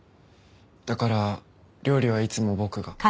だから料理はいつも僕が。